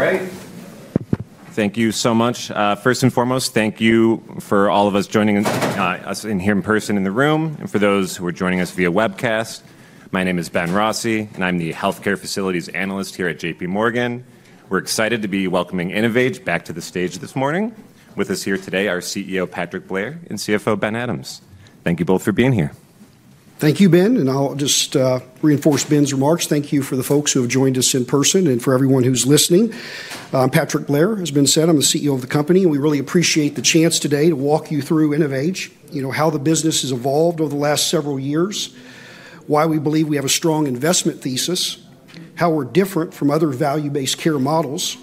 All right. Thank you so much. First and foremost, thank you for all of us joining us in here in person in the room, and for those who are joining us via webcast, my name is Ben Rossi, and I'm the Healthcare Facilities Analyst here at J.P. Morgan. We're excited to be welcoming InnovAge back to the stage this morning. With us here today are CEO Patrick Blair and CFO Ben Adams. Thank you both for being here. Thank you, Ben, and I'll just reinforce Ben's remarks. Thank you for the folks who have joined us in person and for everyone who's listening. Patrick Blair, as Ben said, I'm the CEO of the company, and we really appreciate the chance today to walk you through InnovAge, how the business has evolved over the last several years, why we believe we have a strong investment thesis, how we're different from other value-based care models,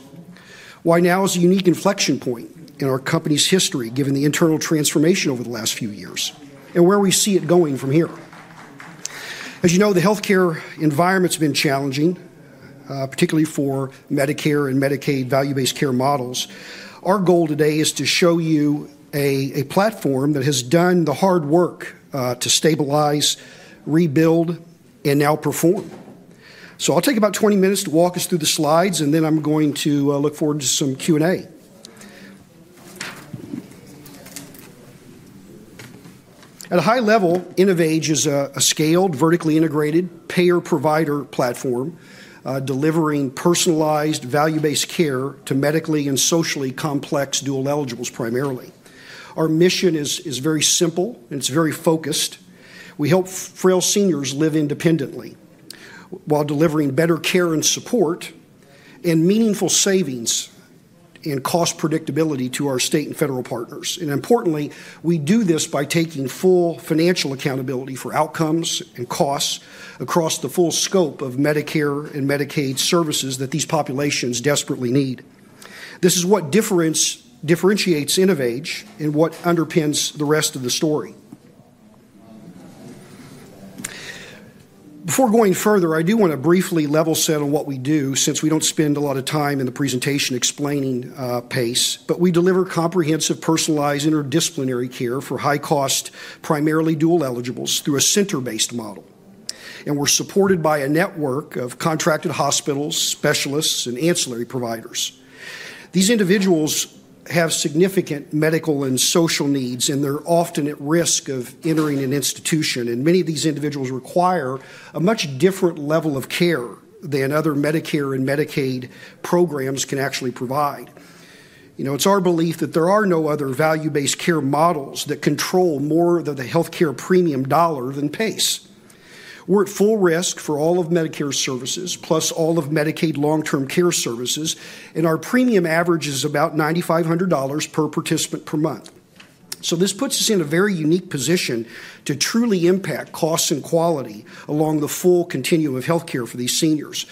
why now is a unique inflection point in our company's history given the internal transformation over the last few years, and where we see it going from here. As you know, the healthcare environment has been challenging, particularly for Medicare and Medicaid value-based care models. Our goal today is to show you a platform that has done the hard work to stabilize, rebuild, and now perform. So I'll take about 20 minutes to walk us through the slides, and then I'm going to look forward to some Q&A. At a high level, InnovAge is a scaled, vertically integrated payer-provider platform delivering personalized value-based care to medically and socially complex dual eligibles primarily. Our mission is very simple, and it's very focused. We help frail seniors live independently while delivering better care and support and meaningful savings and cost predictability to our state and federal partners. And importantly, we do this by taking full financial accountability for outcomes and costs across the full scope of Medicare and Medicaid services that these populations desperately need. This is what differentiates InnovAge and what underpins the rest of the story. Before going further, I do want to briefly level set on what we do since we don't spend a lot of time in the presentation explaining PACE, but we deliver comprehensive, personalized, interdisciplinary care for high-cost, primarily dual eligibles through a center-based model. And we're supported by a network of contracted hospitals, specialists, and ancillary providers. These individuals have significant medical and social needs, and they're often at risk of entering an institution. And many of these individuals require a much different level of care than other Medicare and Medicaid programs can actually provide. It's our belief that there are no other Value-based care models that control more than the healthcare premium dollar than PACE. We're at full risk for all of Medicare services, plus all of Medicaid long-term care services, and our premium averages about $9,500 per participant per month. So this puts us in a very unique position to truly impact cost and quality along the full continuum of healthcare for these seniors.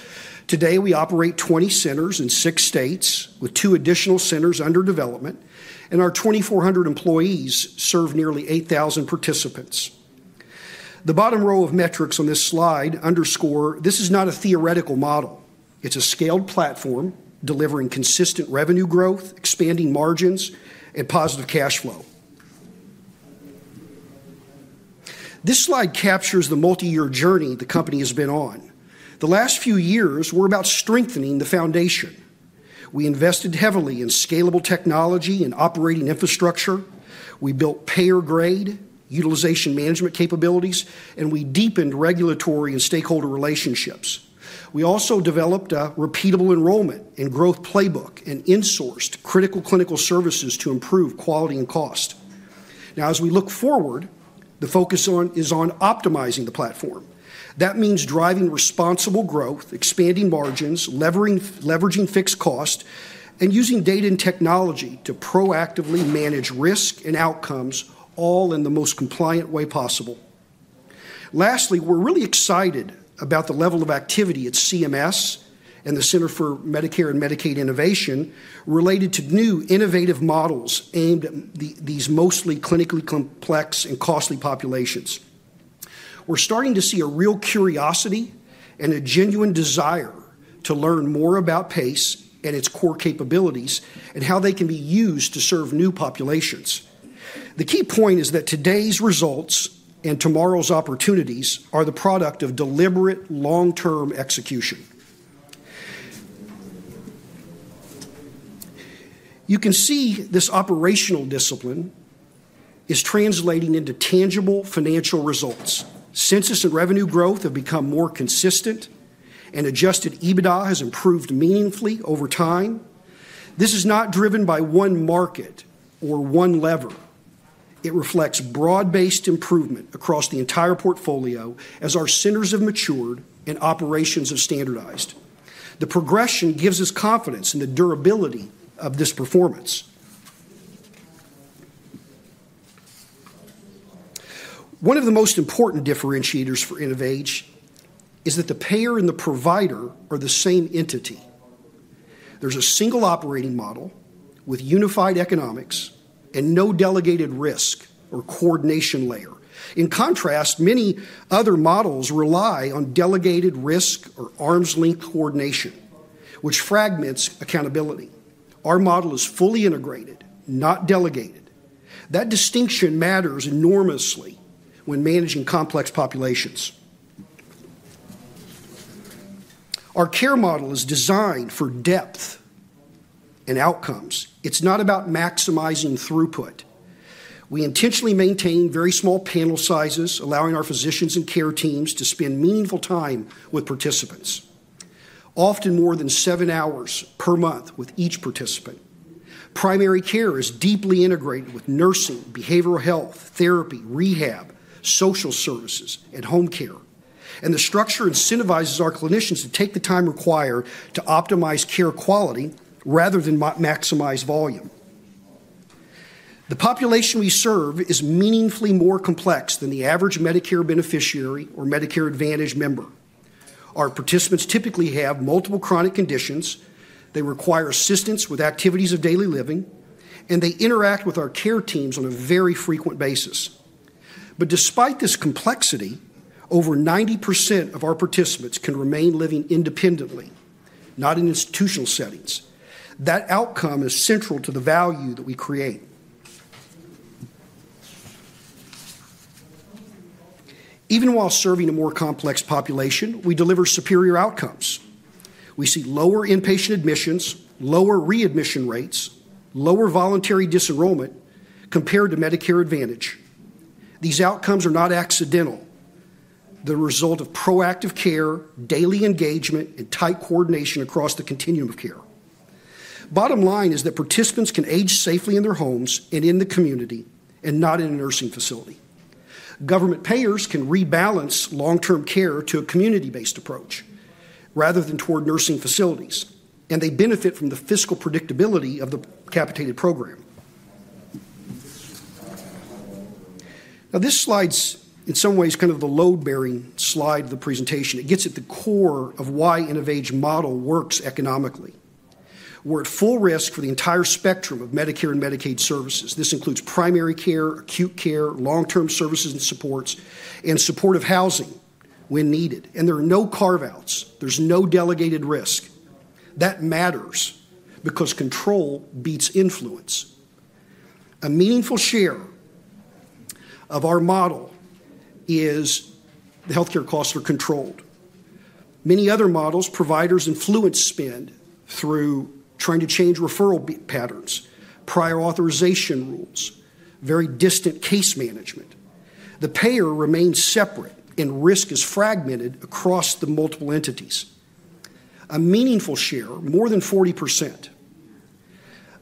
Today, we operate 20 centers in six states with two additional centers under development, and our 2,400 employees serve nearly 8,000 participants. The bottom row of metrics on this slide underscores this is not a theoretical model. It's a scaled platform delivering consistent revenue growth, expanding margins, and positive cash flow. This slide captures the multi-year journey the company has been on. The last few years were about strengthening the foundation. We invested heavily in scalable technology and operating infrastructure. We built payer-grade utilization management capabilities, and we deepened regulatory and stakeholder relationships. We also developed a repeatable enrollment and growth playbook and insourced critical clinical services to improve quality and cost. Now, as we look forward, the focus is on optimizing the platform. That means driving responsible growth, expanding margins, leveraging fixed cost, and using data and technology to proactively manage risk and outcomes, all in the most compliant way possible. Lastly, we're really excited about the level of activity at CMS and the Center for Medicare and Medicaid Innovation related to new innovative models aimed at these mostly clinically complex and costly populations. We're starting to see a real curiosity and a genuine desire to learn more about PACE and its core capabilities and how they can be used to serve new populations. The key point is that today's results and tomorrow's opportunities are the product of deliberate long-term execution. You can see this operational discipline is translating into tangible financial results. Census and revenue growth have become more consistent, and Adjusted EBITDA has improved meaningfully over time. This is not driven by one market or one lever. It reflects broad-based improvement across the entire portfolio as our centers have matured and operations have standardized. The progression gives us confidence in the durability of this performance. One of the most important differentiators for InnovAge is that the payer and the provider are the same entity. There's a single operating model with unified economics and no delegated risk or coordination layer. In contrast, many other models rely on delegated risk or arm's-length coordination, which fragments accountability. Our model is fully integrated, not delegated. That distinction matters enormously when managing complex populations. Our care model is designed for depth and outcomes. It's not about maximizing throughput. We intentionally maintain very small panel sizes, allowing our physicians and care teams to spend meaningful time with participants, often more than seven hours per month with each participant. Primary care is deeply integrated with nursing, behavioral health, therapy, rehab, social services, and home care and the structure incentivizes our clinicians to take the time required to optimize care quality rather than maximize volume. The population we serve is meaningfully more complex than the average Medicare beneficiary or Medicare Advantage member. Our participants typically have multiple chronic conditions. They require assistance with activities of daily living, and they interact with our care teams on a very frequent basis, but despite this complexity, over 90% of our participants can remain living independently, not in institutional settings. That outcome is central to the value that we create. Even while serving a more complex population, we deliver superior outcomes. We see lower inpatient admissions, lower readmission rates, lower voluntary disenrollment compared to Medicare Advantage. These outcomes are not accidental. They're the result of proactive care, daily engagement, and tight coordination across the continuum of care. Bottom line is that participants can age safely in their homes and in the community and not in a nursing facility. Government payers can rebalance long-term care to a community-based approach rather than toward nursing facilities, and they benefit from the fiscal predictability of the capitated program. Now, this slide's in some ways kind of the load-bearing slide of the presentation. It gets at the core of why InnovAge model works economically. We're at full risk for the entire spectrum of Medicare and Medicaid services. This includes primary care, acute care, long-term services and supports, and supportive housing when needed. And there are no carve-outs. There's no delegated risk. That matters because control beats influence. A meaningful share of our model is the healthcare costs are controlled. Many other models, providers and plans spend time trying to change referral patterns, prior authorization rules, very distant case management. The payer remains separate, and risk is fragmented across the multiple entities. A meaningful share, more than 40%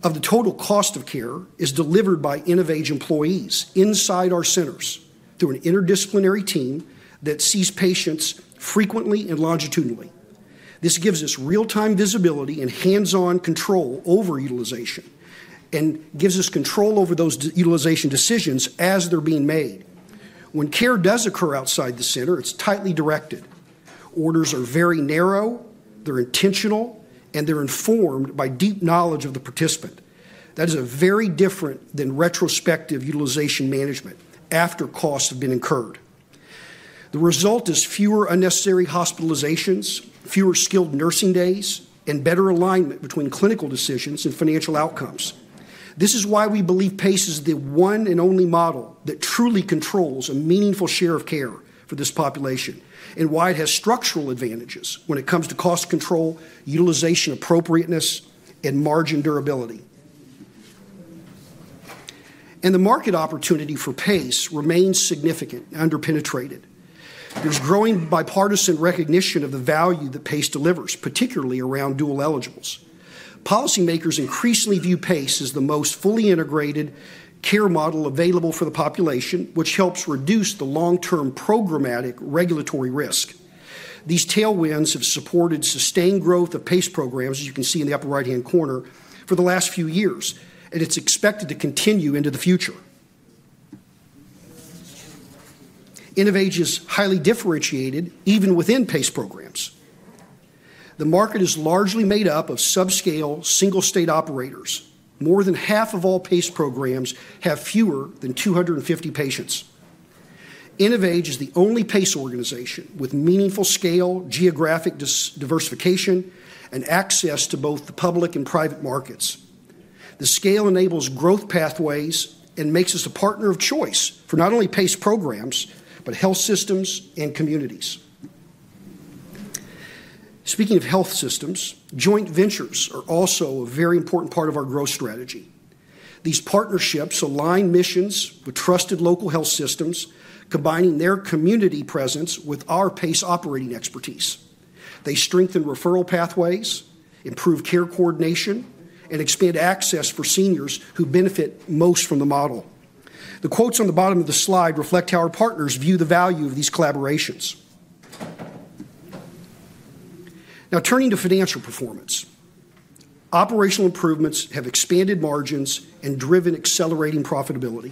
of the total cost of care, is delivered by InnovAge employees inside our centers through an interdisciplinary team that sees patients frequently and longitudinally. This gives us real-time visibility and hands-on control over utilization and gives us control over those utilization decisions as they're being made. When care does occur outside the center, it's tightly directed. Orders are very narrow. They're intentional, and they're informed by deep knowledge of the participant. That is very different than retrospective utilization management after costs have been incurred. The result is fewer unnecessary hospitalizations, fewer skilled nursing days, and better alignment between clinical decisions and financial outcomes. This is why we believe PACE is the one and only model that truly controls a meaningful share of care for this population and why it has structural advantages when it comes to cost control, utilization appropriateness, and margin durability, and the market opportunity for PACE remains significant and underpenetrated. There's growing bipartisan recognition of the value that PACE delivers, particularly around dual eligibles. Policymakers increasingly view PACE as the most fully integrated care model available for the population, which helps reduce the long-term programmatic regulatory risk. These tailwinds have supported sustained growth of PACE programs, as you can see in the upper right-hand corner, for the last few years, and it's expected to continue into the future. InnovAge is highly differentiated even within PACE programs. The market is largely made up of subscale single-state operators. More than half of all PACE programs have fewer than 250 patients. InnovAge is the only PACE organization with meaningful scale, geographic diversification, and access to both the public and private markets. The scale enables growth pathways and makes us a partner of choice for not only PACE programs but health systems and communities. Speaking of health systems, joint ventures are also a very important part of our growth strategy. These partnerships align missions with trusted local health systems, combining their community presence with our PACE operating expertise. They strengthen referral pathways, improve care coordination, and expand access for seniors who benefit most from the model. The quotes on the bottom of the slide reflect how our partners view the value of these collaborations. Now, turning to financial performance, operational improvements have expanded margins and driven accelerating profitability.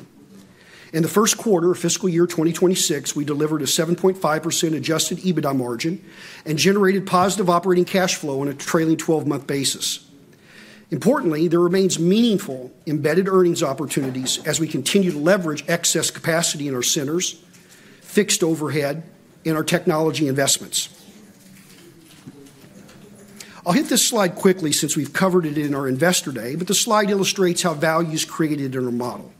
In the Q1 of fiscal year 2026, we delivered a 7.5% adjusted EBITDA margin and generated positive operating cash flow on a trailing 12-month basis. Importantly, there remains meaningful embedded earnings opportunities as we continue to leverage excess capacity in our centers, fixed overhead, and our technology investments. I'll hit this slide quickly since we've covered it in our investor day, but the slide illustrates how value is created in our model.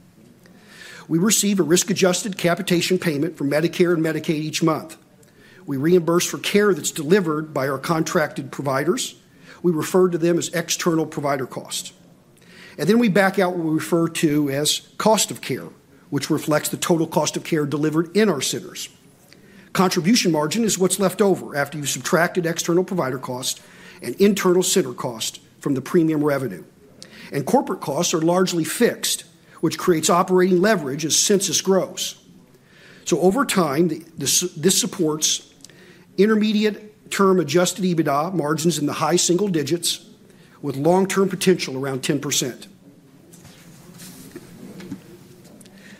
We receive a risk-adjusted capitation payment from Medicare and Medicaid each month. We reimburse for care that's delivered by our contracted providers. We refer to them as external provider costs. And then we back out what we refer to as cost of care, which reflects the total cost of care delivered in our centers. Contribution margin is what's left over after you've subtracted external provider costs and internal center costs from the premium revenue. Corporate costs are largely fixed, which creates operating leverage as census grows. So over time, this supports intermediate-term Adjusted EBITDA margins in the high single digits with long-term potential around 10%.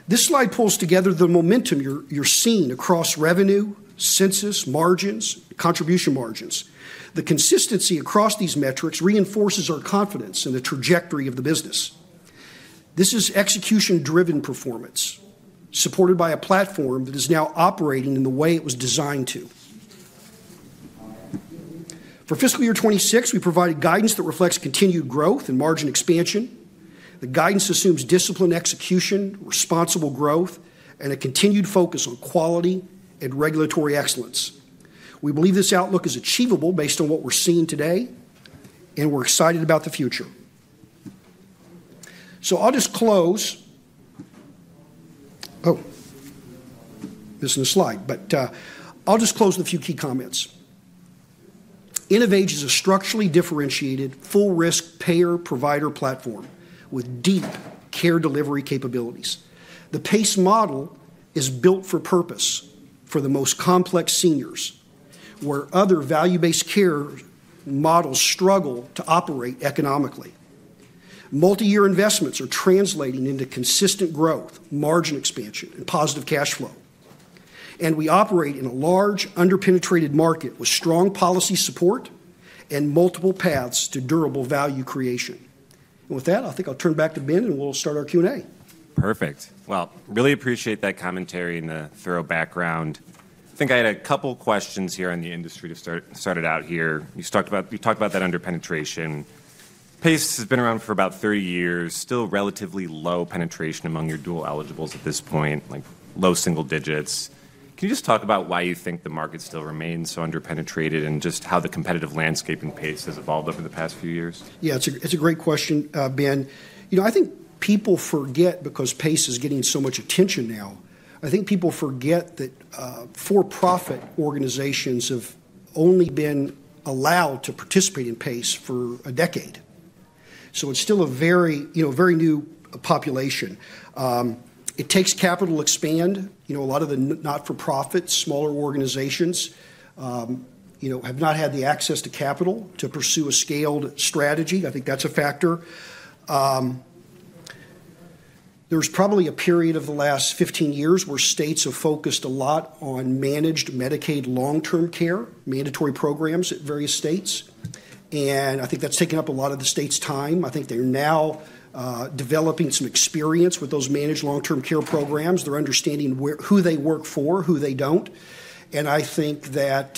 This slide pulls together the momentum you're seeing across revenue, census, margins, contribution margins. The consistency across these metrics reinforces our confidence in the trajectory of the business. This is execution-driven performance supported by a platform that is now operating in the way it was designed to. For fiscal year 2026, we provided guidance that reflects continued growth and margin expansion. The guidance assumes disciplined execution, responsible growth, and a continued focus on quality and regulatory excellence. We believe this outlook is achievable based on what we're seeing today, and we're excited about the future. So I'll just close, oh, missing a slide, but I'll just close with a few key comments. InnovAge is a structurally differentiated, full-risk payer-provider platform with deep care delivery capabilities. The PACE model is built for purpose for the most complex seniors, where other value-based care models struggle to operate economically. Multi-year investments are translating into consistent growth, margin expansion, and positive cash flow, and we operate in a large, underpenetrated market with strong policy support and multiple paths to durable value creation, and with that, I think I'll turn back to Ben, and we'll start our Q&A. Perfect. Well, really appreciate that commentary and the thorough background. I think I had a couple of questions here on the industry to start it out here. You talked about that underpenetration. PACE has been around for about 30 years, still relatively low penetration among your dual eligibles at this point, like low single digits. Can you just talk about why you think the market still remains so underpenetrated and just how the competitive landscape in PACE has evolved over the past few years? Yeah, it's a great question, Ben. I think people forget because PACE is getting so much attention now. I think people forget that for-profit organizations have only been allowed to participate in PACE for a decade. So it's still a very new population. It takes capital to expand. A lot of the not-for-profits, smaller organizations, have not had the access to capital to pursue a scaled strategy. I think that's a factor. There's probably a period of the last 15 years where states have focused a lot on managed Medicaid long-term care, mandatory programs at various states, and I think that's taken up a lot of the state's time. I think they're now developing some experience with those managed long-term care programs. They're understanding who they work for, who they don't, and I think the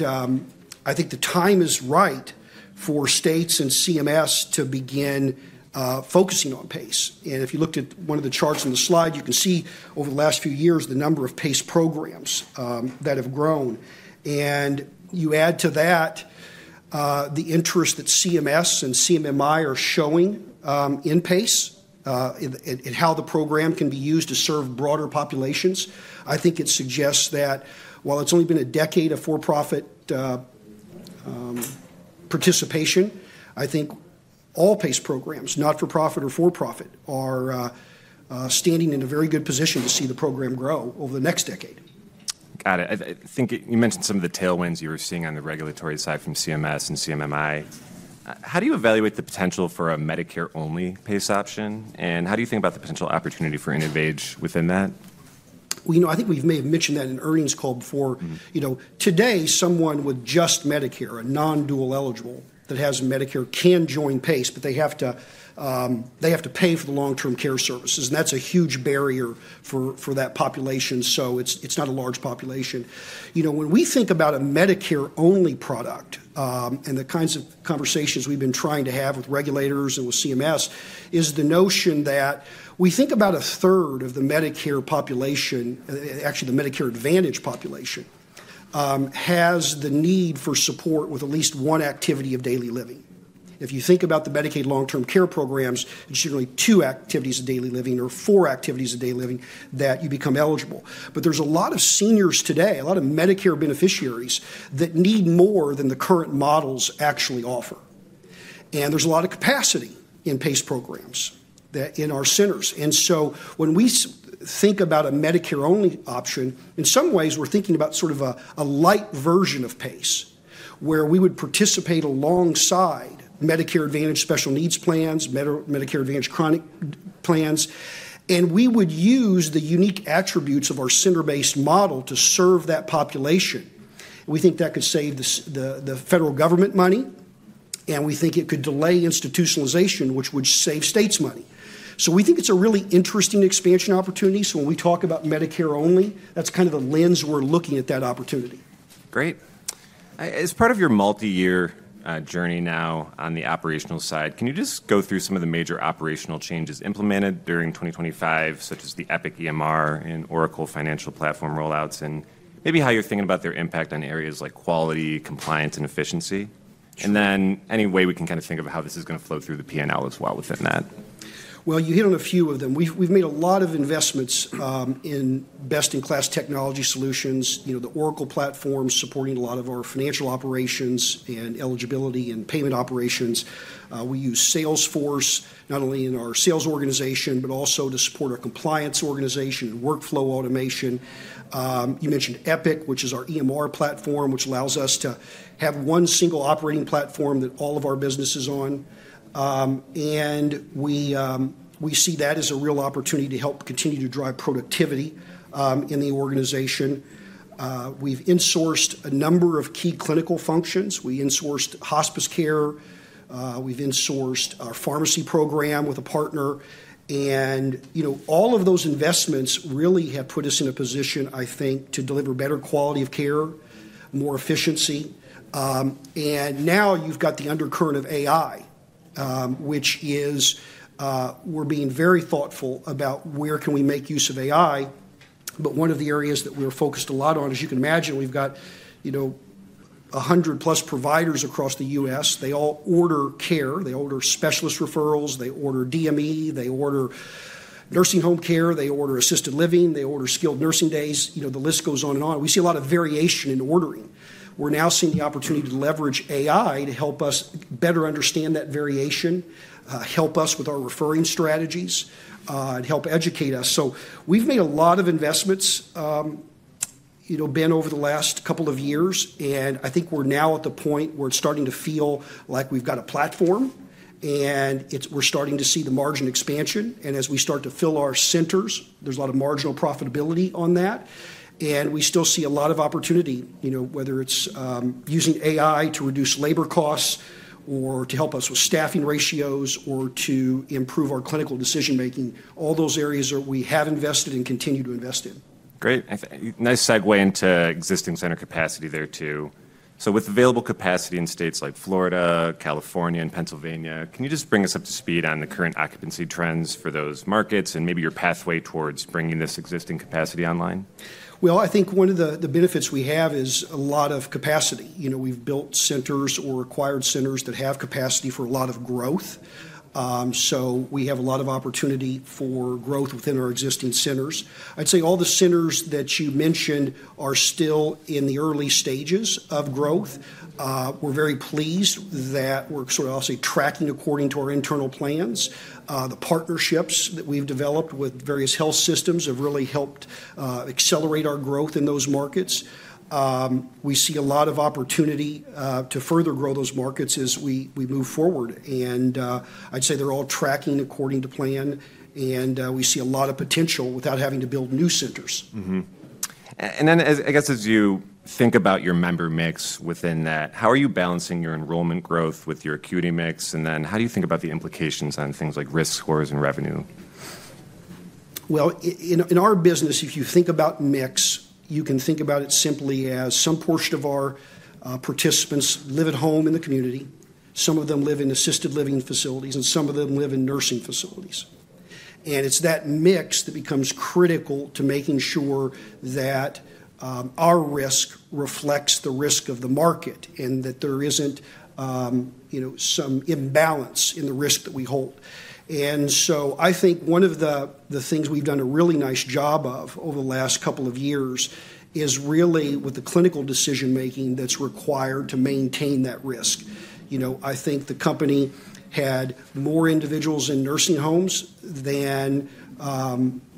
time is right for states and CMS to begin focusing on PACE. And if you looked at one of the charts on the slide, you can see over the last few years the number of PACE programs that have grown. And you add to that the interest that CMS and CMMI are showing in PACE and how the program can be used to serve broader populations. I think it suggests that while it's only been a decade of for-profit participation, I think all PACE programs, not-for-profit or for-profit, are standing in a very good position to see the program grow over the next decade. Got it. I think you mentioned some of the tailwinds you were seeing on the regulatory side from CMS and CMMI. How do you evaluate the potential for a Medicare-only PACE option? And how do you think about the potential opportunity for InnovAge within that? I think we may have mentioned that in earnings call before. Today, someone with just Medicare, a non-dual eligible that has Medicare, can join PACE, but they have to pay for the long-term care services. And that's a huge barrier for that population. So it's not a large population. When we think about a Medicare-only product and the kinds of conversations we've been trying to have with regulators and with CMS, is the notion that we think about a third of the Medicare population, actually the Medicare Advantage population, has the need for support with at least one activity of daily living. If you think about the Medicaid long-term care programs, it's usually two activities of daily living or four activities of daily living that you become eligible. But there's a lot of seniors today, a lot of Medicare beneficiaries that need more than the current models actually offer. And there's a lot of capacity in PACE programs in our centers. And so when we think about a Medicare-only option, in some ways, we're thinking about sort of a light version of PACE where we would participate alongside Medicare Advantage special needs plans, Medicare Advantage chronic plans, and we would use the unique attributes of our center-based model to serve that population. We think that could save the federal government money, and we think it could delay institutionalization, which would save states money. So we think it's a really interesting expansion opportunity. So when we talk about Medicare-only, that's kind of the lens we're looking at that opportunity. Great. As part of your multi-year journey now on the operational side, can you just go through some of the major operational changes implemented during 2025, such as the Epic EMR and Oracle financial platform rollouts, and maybe how you're thinking about their impact on areas like quality, compliance, and efficiency? And then any way we can kind of think of how this is going to flow through the P&L as well within that. You hit on a few of them. We've made a lot of investments in best-in-class technology solutions, the Oracle platform supporting a lot of our financial operations and eligibility and payment operations. We use Salesforce not only in our sales organization, but also to support our compliance organization and workflow automation. You mentioned Epic, which is our EMR platform, which allows us to have one single operating platform that all of our business is on. We see that as a real opportunity to help continue to drive productivity in the organization. We've insourced a number of key clinical functions. We insourced hospice care. We've insourced our pharmacy program with a partner. All of those investments really have put us in a position, I think, to deliver better quality of care, more efficiency. And now you've got the undercurrent of AI, which is we're being very thoughtful about where can we make use of AI. But one of the areas that we're focused a lot on, as you can imagine, we've got 100-plus providers across the U.S. They all order care. They order specialist referrals. They order DME. They order nursing home care. They order assisted living. They order skilled nursing days. The list goes on and on. We see a lot of variation in ordering. We're now seeing the opportunity to leverage AI to help us better understand that variation, help us with our referring strategies, and help educate us. So we've made a lot of investments, Ben, over the last couple of years. And I think we're now at the point where it's starting to feel like we've got a platform, and we're starting to see the margin expansion. And as we start to fill our centers, there's a lot of marginal profitability on that. And we still see a lot of opportunity, whether it's using AI to reduce labor costs or to help us with staffing ratios or to improve our clinical decision-making. All those areas that we have invested and continue to invest in. Great. Nice segue into existing center capacity there too. So with available capacity in states like Florida, California, and Pennsylvania, can you just bring us up to speed on the current occupancy trends for those markets and maybe your pathway towards bringing this existing capacity online? I think one of the benefits we have is a lot of capacity. We've built centers or acquired centers that have capacity for a lot of growth. We have a lot of opportunity for growth within our existing centers. I'd say all the centers that you mentioned are still in the early stages of growth. We're very pleased that we're sort of, I'll say, tracking according to our internal plans. The partnerships that we've developed with various health systems have really helped accelerate our growth in those markets. We see a lot of opportunity to further grow those markets as we move forward. I'd say they're all tracking according to plan. We see a lot of potential without having to build new centers. And then, I guess, as you think about your member mix within that, how are you balancing your enrollment growth with your acuity mix? And then how do you think about the implications on things like risk scores and revenue? In our business, if you think about mix, you can think about it simply as some portion of our participants live at home in the community. Some of them live in assisted living facilities, and some of them live in nursing facilities. And it's that mix that becomes critical to making sure that our risk reflects the risk of the market and that there isn't some imbalance in the risk that we hold. And so I think one of the things we've done a really nice job of over the last couple of years is really with the clinical decision-making that's required to maintain that risk. I think the company had more individuals in nursing homes than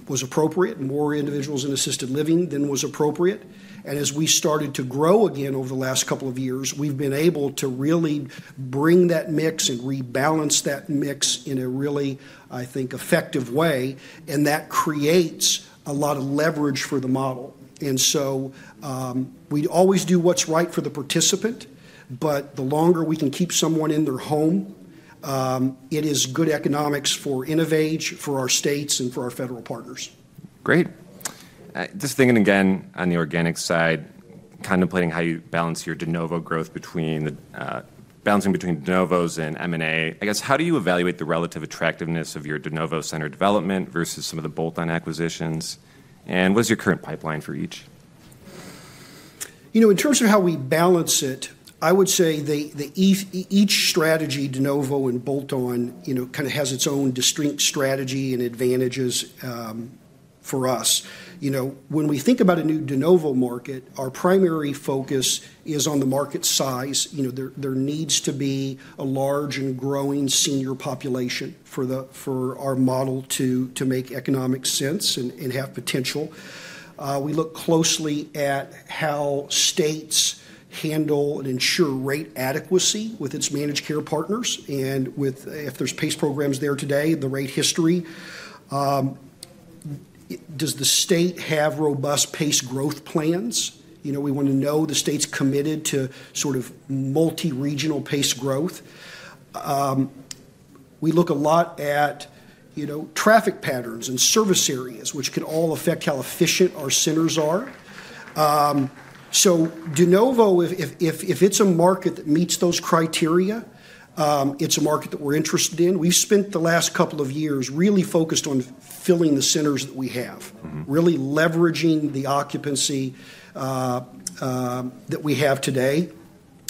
was appropriate, more individuals in assisted living than was appropriate. And as we started to grow again over the last couple of years, we've been able to really bring that mix and rebalance that mix in a really, I think, effective way. And that creates a lot of leverage for the model. And so we always do what's right for the participant, but the longer we can keep someone in their home, it is good economics for InnovAge, for our states, and for our federal partners. Great. Just thinking again on the organic side, contemplating how you balance your de novo growth between de novos and M&A, I guess, how do you evaluate the relative attractiveness of your de novo center development versus some of the bolt-on acquisitions? And what's your current pipeline for each? In terms of how we balance it, I would say each strategy, de novo and bolt-on, kind of has its own distinct strategy and advantages for us. When we think about a new de novo market, our primary focus is on the market size. There needs to be a large and growing senior population for our model to make economic sense and have potential. We look closely at how states handle and ensure rate adequacy with its managed care partners, and if there's PACE programs there today, the rate history, does the state have robust PACE growth plans? We want to know the state's committed to sort of multi-regional PACE growth. We look a lot at traffic patterns and service areas, which can all affect how efficient our centers are, so de novo, if it's a market that meets those criteria, it's a market that we're interested in. We've spent the last couple of years really focused on filling the centers that we have, really leveraging the occupancy that we have today.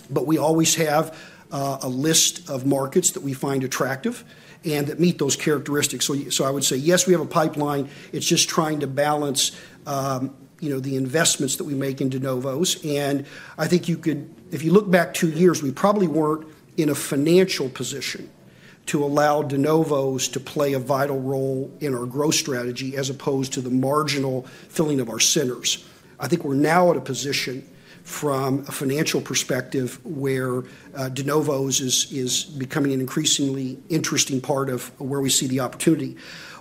But we always have a list of markets that we find attractive and that meet those characteristics. So I would say, yes, we have a pipeline. It's just trying to balance the investments that we make in de novos. And I think if you look back two years, we probably weren't in a financial position to allow de novos to play a vital role in our growth strategy as opposed to the marginal filling of our centers. I think we're now at a position from a financial perspective where de novos is becoming an increasingly interesting part of where we see the opportunity.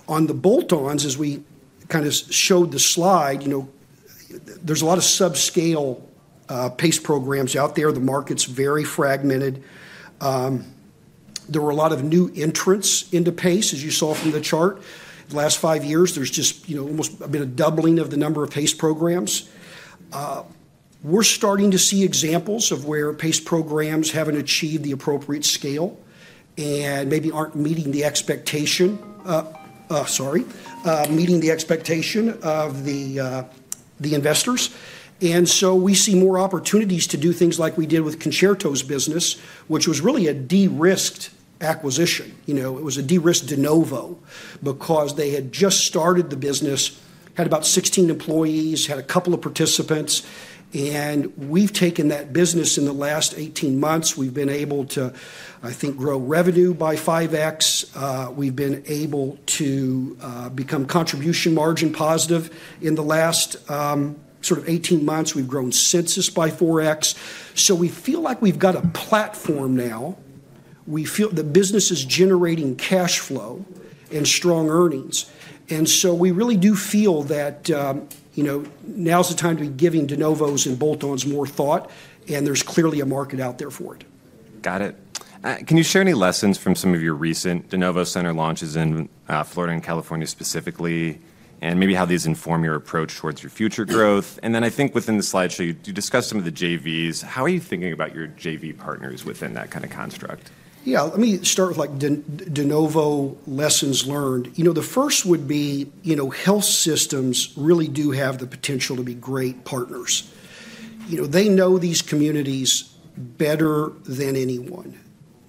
On the bolt-ons, as we kind of showed the slide, there's a lot of subscale pace programs out there. The market's very fragmented. There were a lot of new entrants into PACE, as you saw from the chart. The last five years, there's just almost been a doubling of the number of PACE programs. We're starting to see examples of where PACE programs haven't achieved the appropriate scale and maybe aren't meeting the expectation, sorry, meeting the expectation of the investors. And so we see more opportunities to do things like we did with ConcertoCare's business, which was really a de-risked acquisition. It was a de-risked de novo because they had just started the business, had about 16 employees, had a couple of participants. And we've taken that business in the last 18 months. We've been able to, I think, grow revenue by 5x. We've been able to become contribution margin positive. In the last sort of 18 months, we've grown census by 4x. So we feel like we've got a platform now. The business is generating cash flow and strong earnings, and so we really do feel that now's the time to be giving de novos and bolt-ons more thought, and there's clearly a market out there for it. Got it. Can you share any lessons from some of your recent de novo center launches in Florida and California specifically, and maybe how these inform your approach towards your future growth? And then I think within the slideshow, you discussed some of the JVs. How are you thinking about your JV partners within that kind of construct? Yeah, let me start with de novo lessons learned. The first would be health systems really do have the potential to be great partners. They know these communities better than anyone.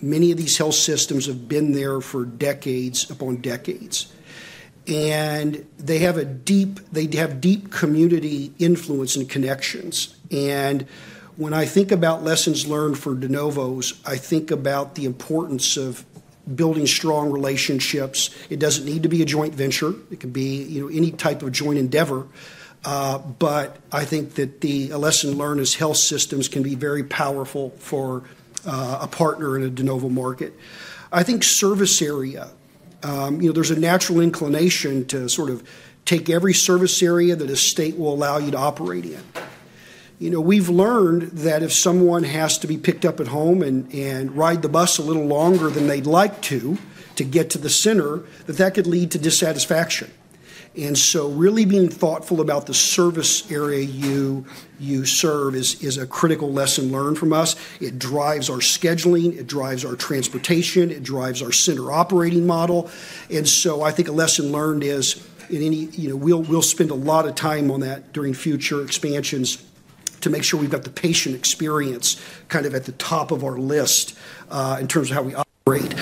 Many of these health systems have been there for decades upon decades, and they have a deep community influence and connections. And when I think about lessons learned for de novos, I think about the importance of building strong relationships. It doesn't need to be a joint venture. It could be any type of joint endeavor, but I think that the lesson learned as health systems can be very powerful for a partner in a de novo market. I think service area, there's a natural inclination to sort of take every service area that a state will allow you to operate in. We've learned that if someone has to be picked up at home and ride the bus a little longer than they'd like to get to the center, that could lead to dissatisfaction. And so really being thoughtful about the service area you serve is a critical lesson learned from us. It drives our scheduling. It drives our transportation. It drives our center operating model. And so I think a lesson learned is we'll spend a lot of time on that during future expansions to make sure we've got the patient experience kind of at the top of our list in terms of how we operate.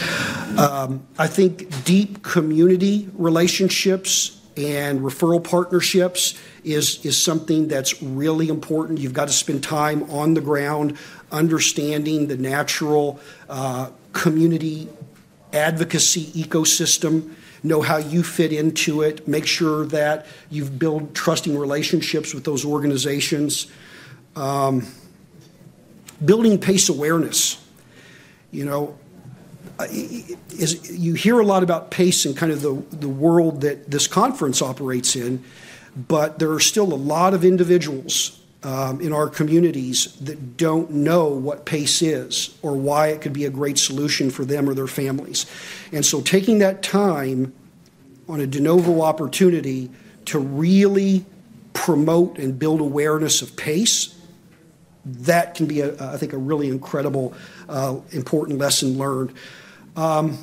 I think deep community relationships and referral partnerships is something that's really important. You've got to spend time on the ground understanding the natural community advocacy ecosystem, know how you fit into it, make sure that you've built trusting relationships with those organizations. Building pace awareness. You hear a lot about pace and kind of the world that this conference operates in, but there are still a lot of individuals in our communities that don't know what pace is or why it could be a great solution for them or their families. And so taking that time on a de novo opportunity to really promote and build awareness of pace, that can be, I think, a really incredible, important lesson learned. I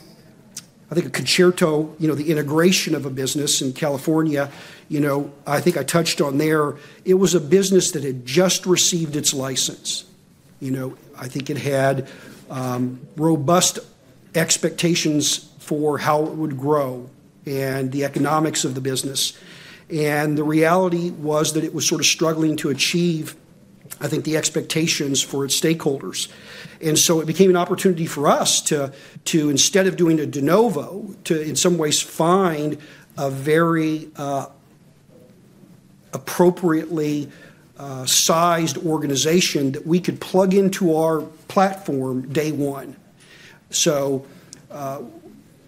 think Concerto, the integration of a business in California, I think I touched on there. It was a business that had just received its license. I think it had robust expectations for how it would grow and the economics of the business. And the reality was that it was sort of struggling to achieve, I think, the expectations for its stakeholders. And so it became an opportunity for us to, instead of doing a de novo, to in some ways find a very appropriately sized organization that we could plug into our platform day one. So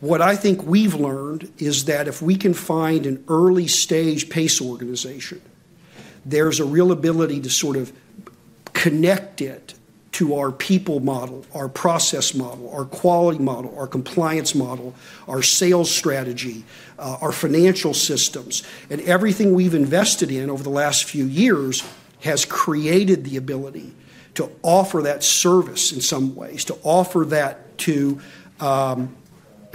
what I think we've learned is that if we can find an early-stage pace organization, there's a real ability to sort of connect it to our people model, our process model, our quality model, our compliance model, our sales strategy, our financial systems. And everything we've invested in over the last few years has created the ability to offer that service in some ways, to offer that to an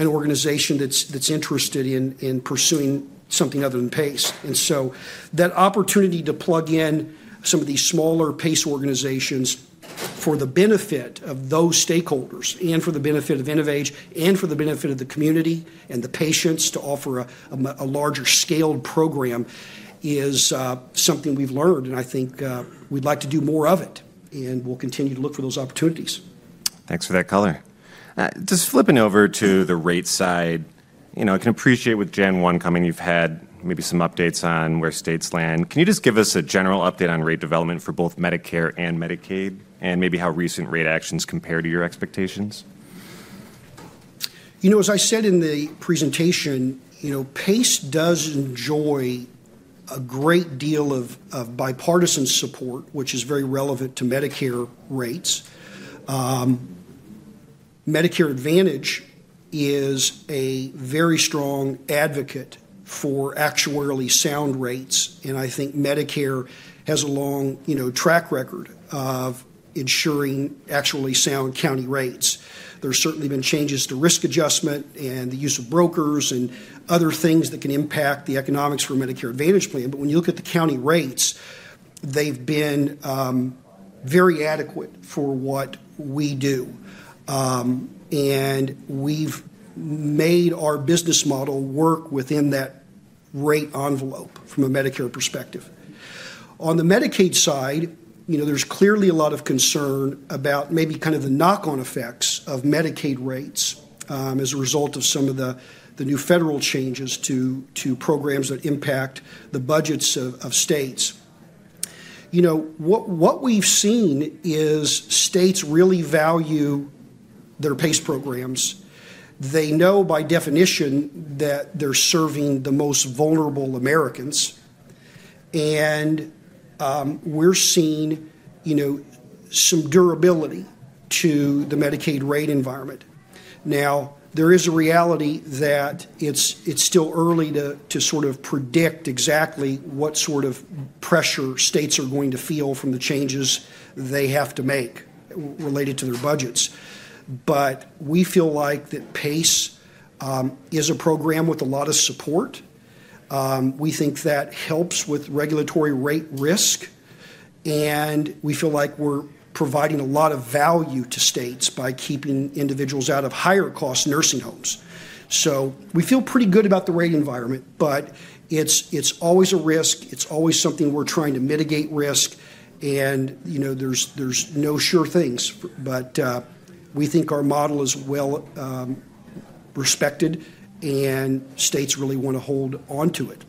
organization that's interested in pursuing something other than pace. So that opportunity to plug in some of these smaller pace organizations for the benefit of those stakeholders and for the benefit of InnovAge and for the benefit of the community and the patients to offer a larger scaled program is something we've learned. I think we'd like to do more of it. We'll continue to look for those opportunities. Thanks for that color. Just flipping over to the rate side, I can appreciate with Jan. 1 coming, you've had maybe some updates on where states land. Can you just give us a general update on rate development for both Medicare and Medicaid and maybe how recent rate actions compare to your expectations? As I said in the presentation, PACE does enjoy a great deal of bipartisan support, which is very relevant to Medicare rates. Medicare Advantage is a very strong advocate for actuarially sound rates. And I think Medicare has a long track record of ensuring actuarially sound county rates. There's certainly been changes to risk adjustment and the use of brokers and other things that can impact the economics for Medicare Advantage plan. But when you look at the county rates, they've been very adequate for what we do. And we've made our business model work within that rate envelope from a Medicare perspective. On the Medicaid side, there's clearly a lot of concern about maybe kind of the knock-on effects of Medicaid rates as a result of some of the new federal changes to programs that impact the budgets of states. What we've seen is states really value their PACE programs. They know by definition that they're serving the most vulnerable Americans. And we're seeing some durability to the Medicaid rate environment. Now, there is a reality that it's still early to sort of predict exactly what sort of pressure states are going to feel from the changes they have to make related to their budgets. But we feel like that PACE is a program with a lot of support. We think that helps with regulatory rate risk. And we feel like we're providing a lot of value to states by keeping individuals out of higher-cost nursing homes. So we feel pretty good about the rate environment, but it's always a risk. It's always something we're trying to mitigate risk. And there's no sure things. But we think our model is well respected, and states really want to hold onto it.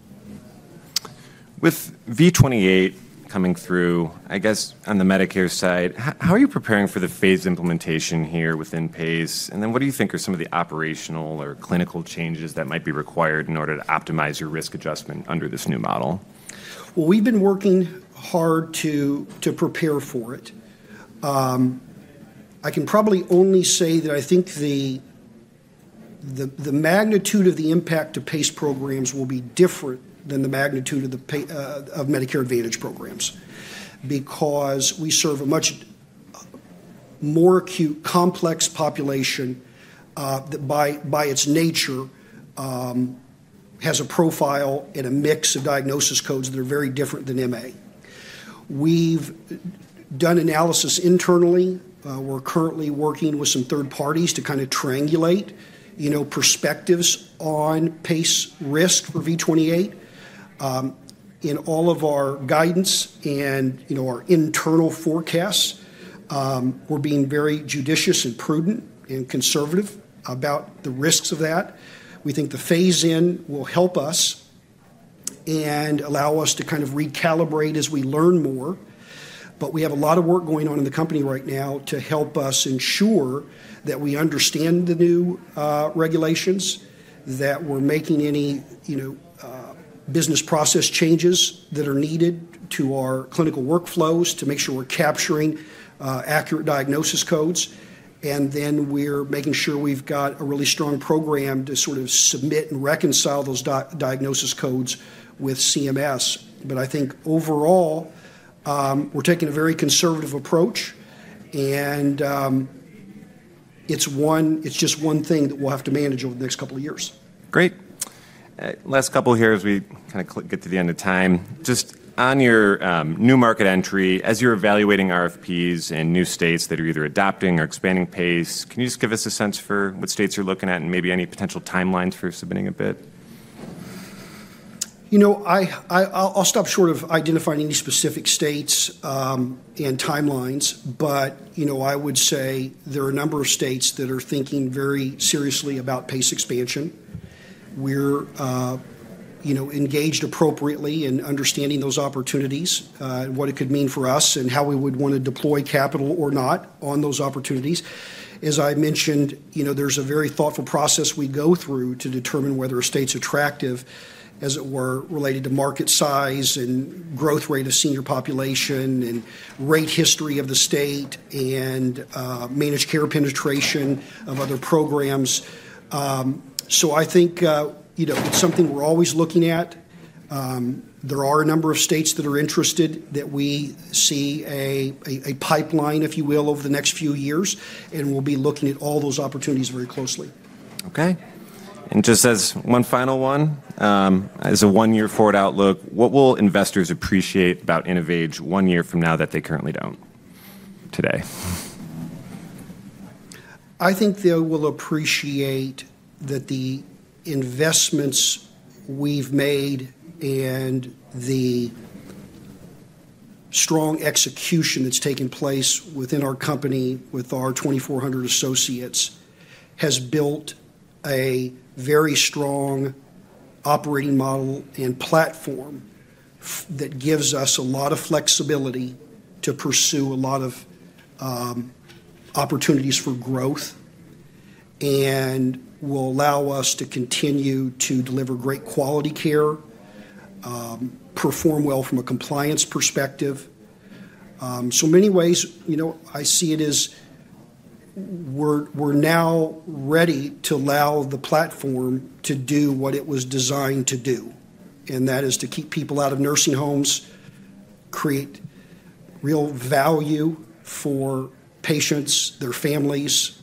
With V28 coming through, I guess, on the Medicare side, how are you preparing for the phased implementation here within PACE? And then what do you think are some of the operational or clinical changes that might be required in order to optimize your risk adjustment under this new model? We've been working hard to prepare for it. I can probably only say that I think the magnitude of the impact of PACE programs will be different than the magnitude of Medicare Advantage programs because we serve a much more acute complex population that by its nature has a profile and a mix of diagnosis codes that are very different than MA. We've done analysis internally. We're currently working with some third parties to kind of triangulate perspectives on PACE risk for V28. In all of our guidance and our internal forecasts, we're being very judicious and prudent and conservative about the risks of that. We think the phase-in will help us and allow us to kind of recalibrate as we learn more. But we have a lot of work going on in the company right now to help us ensure that we understand the new regulations, that we're making any business process changes that are needed to our clinical workflows to make sure we're capturing accurate diagnosis codes. And then we're making sure we've got a really strong program to sort of submit and reconcile those diagnosis codes with CMS. But I think overall, we're taking a very conservative approach. And it's just one thing that we'll have to manage over the next couple of years. Great. Last couple here as we kind of get to the end of time. Just on your new market entry, as you're evaluating RFPs in new states that are either adopting or expanding PACE, can you just give us a sense for what states you're looking at and maybe any potential timelines for submitting a bid? I'll stop short of identifying any specific states and timelines, but I would say there are a number of states that are thinking very seriously about PACE expansion. We're engaged appropriately in understanding those opportunities and what it could mean for us and how we would want to deploy capital or not on those opportunities. As I mentioned, there's a very thoughtful process we go through to determine whether a state's attractive as it were related to market size and growth rate of senior population and rate history of the state and managed care penetration of other programs. So I think it's something we're always looking at. There are a number of states that are interested that we see a pipeline, if you will, over the next few years, and we'll be looking at all those opportunities very closely. Okay, and just as one final one, as a one year forward outlook, what will investors appreciate about InnovAge one year from now that they currently don't today? I think they will appreciate that the investments we've made and the strong execution that's taken place within our company with our 2,400 associates has built a very strong operating model and platform that gives us a lot of flexibility to pursue a lot of opportunities for growth and will allow us to continue to deliver great quality care, perform well from a compliance perspective. So in many ways, I see it as we're now ready to allow the platform to do what it was designed to do. And that is to keep people out of nursing homes, create real value for patients, their families,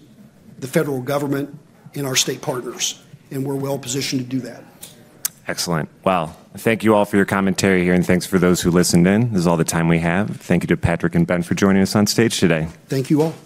the federal government, and our state partners. And we're well positioned to do that. Excellent. Well, thank you all for your commentary here. And thanks for those who listened in. This is all the time we have. Thank you to Patrick and Ben for joining us on stage today. Thank you all.